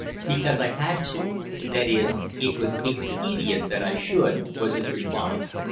"Because I had to, that is, it was expedient that I should," was his reply.